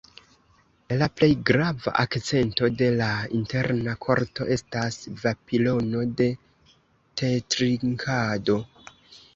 La plej grava akcento de la interna korto estas pavilono de tetrinkado.